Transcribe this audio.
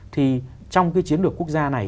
thì trong cái chiến lược quốc gia này